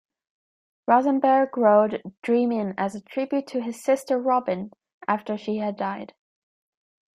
Rosenberg wrote "Dreamin'" as a tribute to his sister, Robin, after she had died.